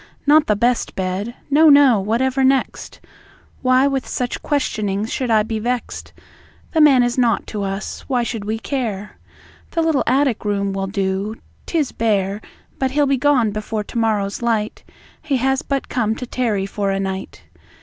Not the best bed! No, no. Whatever next? Why with such questionings should I be vext? The man is naught to us; why should we care? The little attic room will do; 'tis bare, But he'll be gone before to morrow's light; He has but come to tarry for a night.